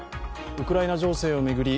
ウクライナ情勢を巡り